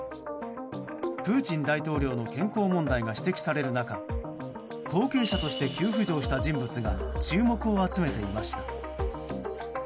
プーチン大統領の健康問題が指摘される中後継者として急浮上した人物が注目を集めていました。